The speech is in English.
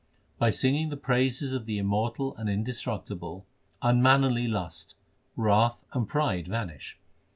By singing the praises of the Immortal and Indestructible, unmannerly lust, wrath, and pride vanish.